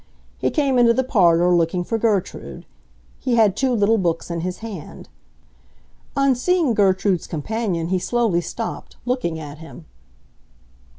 He came into the parlor, looking for Gertrude. He had two little books in his hand. On seeing Gertrude's companion he slowly stopped, looking at him.